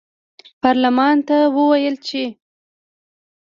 پارلمان ته وویل چې